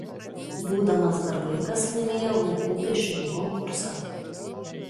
Būdamas dar vaikas laimėjo vaikų piešinių konkursą.